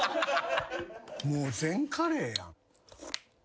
もう全カレーやん。